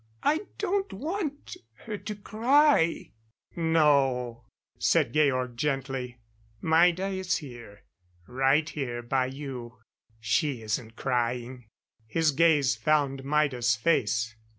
I don't want her to cry " "No," said Georg gently. "Maida is here right here by you. She isn't crying." His gaze found Maida's face.